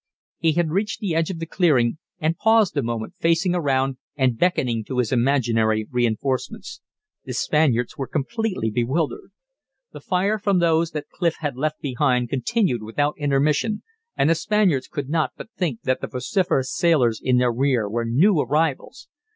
He had reached the edge of the clearing, and paused a moment, facing around and beckoning to his imaginary reinforcements. The Spaniards were completely bewildered. The fire from those that Clif had left behind continued without intermission, and the Spaniards could not but think that the vociferous sailors in their rear were new arrivals.